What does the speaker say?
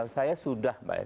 saya sudah mbak